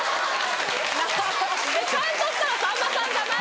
ちゃんとしたらさんまさんじゃない。